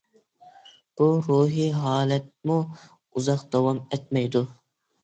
بۇ روھى ھالەتمۇ ئۇزاق داۋام ئەتمەيدۇ.